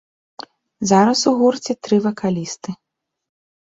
Зараз ў гурце тры вакалісты.